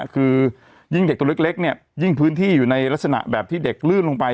คือยิ่งเด็กตัวเล็กเนี่ยยิ่งพื้นที่อยู่ในลักษณะแบบที่เด็กลื่นลงไป